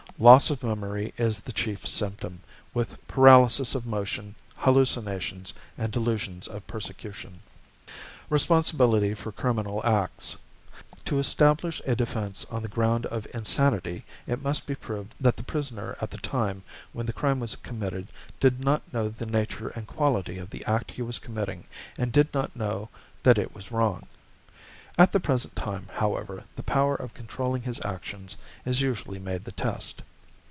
_ Loss of memory is the chief symptom, with paralysis of motion, hallucinations and delusions of persecution. =Responsibility for Criminal Acts.= To establish a defence on the ground of insanity, it must be proved that the prisoner at the time when the crime was committed did not know the nature and quality of the act he was committing, and did not know that it was wrong. At the present time, however, the power of controlling his actions is usually made the test.